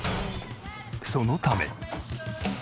そのため。